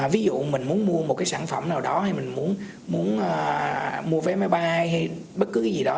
ví dụ mình muốn mua một cái sản phẩm nào đó hay mình muốn mua vé máy bay hay bất cứ cái gì đó